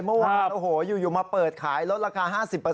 เมื่อวานโอ้โหอยู่มาเปิดขายลดราคา๕๐